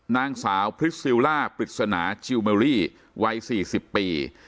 นางสาวพริสซิลล่าปริศนาจิลเมอรี่วัย๔๐ปี